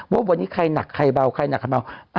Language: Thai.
ว่าวันนี้ใครหนักใครเบาใครหนักใครเบา